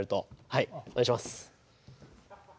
はいお願いします。